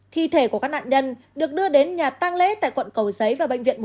thi thể của các nạn nhân được đưa đến nhà tang lễ tại quận cầu giấy và bệnh viện một trăm chín mươi tám